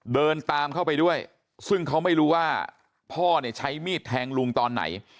เดินตามเข้าไปด้วยซึ่งเขาไม่รู้ว่าพ่อเนี่ยใช้มีดแทงลุงตอนไหน